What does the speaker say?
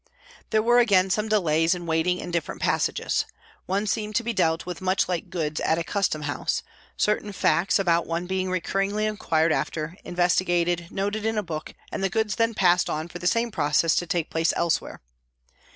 There were again some delays and waiting in different passages. One seemed to be dealt with much like goods at a custom house, certain facts about one being recurringly inquired after, investigated, noted in a book, and the goods then passed on for the same process to take place elsewhere.